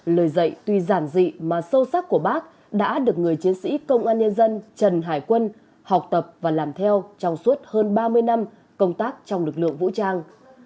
lời dạy tuy giản dị mà sâu sắc của bác đã được người chiến sĩ công an nhân dân trần hải quân học tập và làm theo trong suốt hơn ba mươi năm công tác trong lực lượng vũ trang